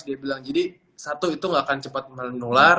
dia bilang jadi satu itu gak akan cepat menular